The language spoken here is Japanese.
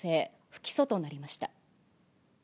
不起訴となりました。